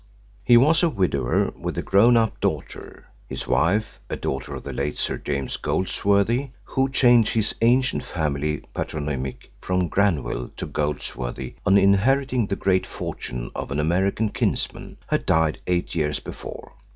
He was a widower with a grown up daughter; his wife, a daughter of the late Sir James Goldsworthy, who changed his ancient family patronymic from Granville to Goldsworthy on inheriting the great fortune of an American kinsman, had died eight years before.